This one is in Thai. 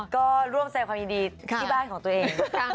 ก็ร่วมแสดงความยินดีที่บ้านของตัวเอง